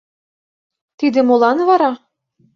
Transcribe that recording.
— Тиде молан вара?